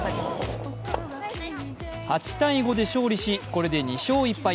８−５で勝利し、これで２勝１敗。